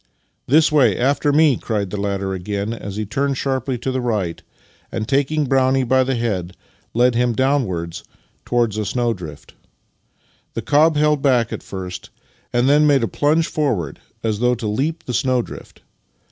" This way — after me," cried the latter again as he turned sharply to the right and, taking Brownie by the head, led him downwards towards a snow drift. The cob held back at first, and then made a plunge forward as though to leap the snowdrift.